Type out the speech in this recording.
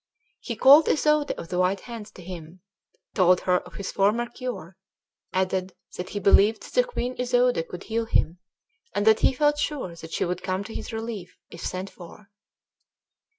He called Isoude of the White Hands to him, told her of his former cure, added that he believed that the Queen Isoude could heal him, and that he felt sure that she would come to his relief, if sent for.